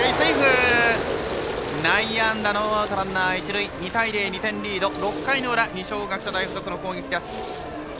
内野安打、ノーアウトランナー、一塁６回の裏二松学舎大付属の攻撃です。